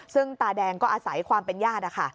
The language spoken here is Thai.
ซึ่งตาแดงก็อาศัยความเป็นญาตินะคะ